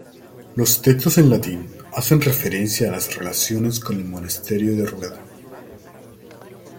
Los textos en latín hacen referencia a las relaciones con el monasterio de Rueda.